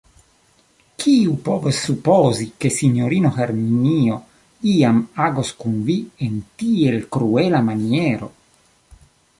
Kiu povus supozi, ke sinjorino Herminio iam agos kun vi en tiel kruela maniero!